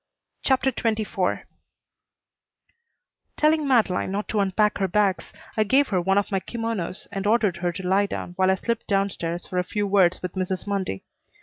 CHAPTER XXIV Telling Madeleine not to unpack her bags, I gave her one of my kimonos and ordered her to lie down while I slipped down stairs for a few words with Mrs. Mundy.